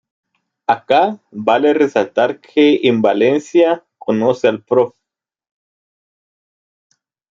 Acá vale resaltar que en Valencia conoce al Prof.